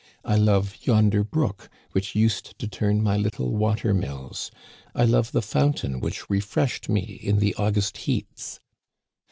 I love yonder brook which used to turn my little water mills. I love the fountain which refreshed me in the August heats.